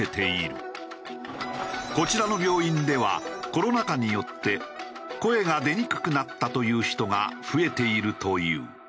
こちらの病院ではコロナ禍によって声が出にくくなったという人が増えているという。